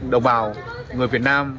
đồng bào người việt nam